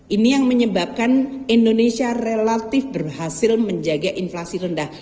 ini yang menyebabkan indonesia relatif berhasil menjaga inflasi rendah